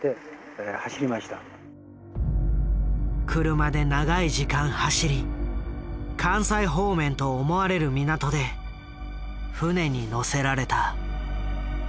車で長い時間走り関西方面と思われる港で船に乗せられた。